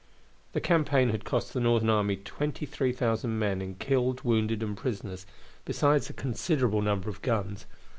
The campaign had cost the Northern army 23,000 men in killed, wounded, and prisoners, besides a considerable number of guns.